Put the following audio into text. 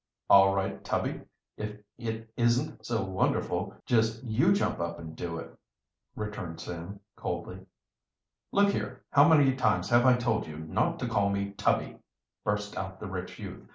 "All right, Tubby; if it isn't so wonderful, just you jump up and do it," returned Sam coldly. "Look here, how many times have I told you not to call me Tubby!" burst out the rich youth.